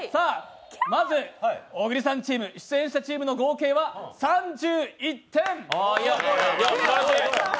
まず、小栗さんチーム出演者チームの合計は３１点。